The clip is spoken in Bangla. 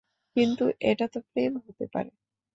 কিন্তু, এটাতো প্রেম হতে পারে না।